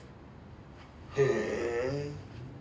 へえ。